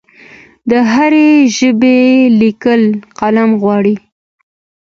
د هرې ژبې لیکل قلم غواړي.